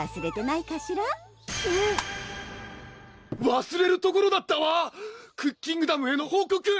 わすれるところだったわクッキングダムへの報告！